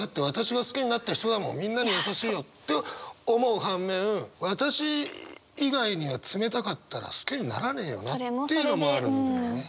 みんなに優しいよって思う半面私以外には冷たかったら好きにならねえよなっていうのもあるんだよね。